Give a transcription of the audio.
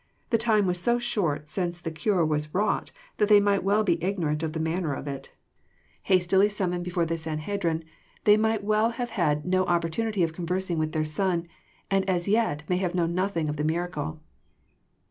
The time was so short since the cure was wrought, that they might well be ignorant of the manner of it. Hastily sum* r JOHN9 CHAP. IX. 157 moned before the Sanhedrim, they might well have had no opportunity of conversing with their son, and as yet may have kno^n nothing of the miracle.